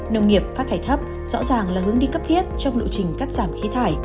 nông nghiệp phát thải thấp rõ ràng là hướng đi cấp thiết trong lộ trình cắt giảm khí thải